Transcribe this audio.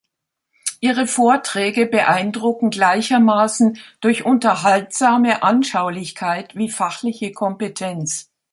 Ihre Vorträge beeindrucken gleichermaßen durch unterhaltsame Anschaulichkeit wie fachliche Kompetenz.